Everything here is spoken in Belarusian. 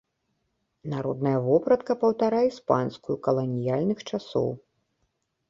Народная вопратка паўтарае іспанскую каланіяльных часоў.